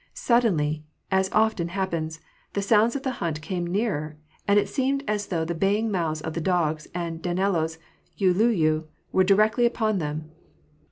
Suddenly, as often happens, the sounds of the hunt came nearer, and it seemed as though the baying mouths of the dogs and Danilo's uliuliu were directly upon them.